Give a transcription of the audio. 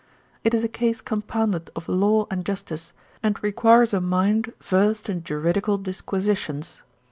It is a case compounded of law and justice, and requires a mind versed in juridical disquisitions.